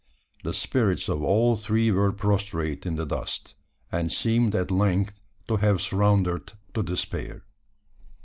The spirits of all three were prostrate in the dust, and seemed at length to have surrendered to despair.